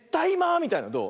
みたいのどう？